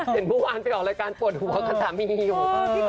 เห็นเมื่อวานไปออกรายการปวดหัวกับสามีอยู่